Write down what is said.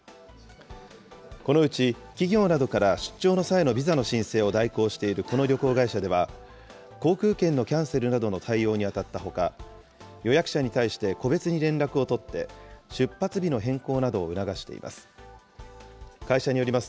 このうち企業などから出張の際のビザの申請を代行しているこの旅行会社では、航空券のキャンセルなどの対応に当たったほか、予約者に対して、個別に連絡を取って、出発日の変更などを促しています。